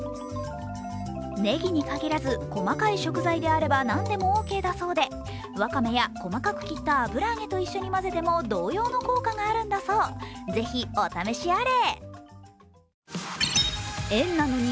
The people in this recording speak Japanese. ねぎに限らず細かい食材であれば何でもオーケーだそうでワカメや細かく切った油揚げと一緒に混ぜても同様の効果があるんだそう是非、お試しあれ。